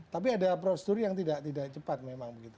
tapi ada prosedur yang tidak cepat memang begitu